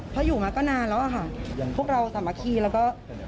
เพราะอยู่มาก็นานแล้วอะค่ะพวกเราสามัคคีแล้วก็